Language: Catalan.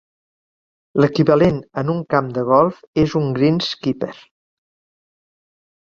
L'equivalent en un camp de golf és un greenskeeper.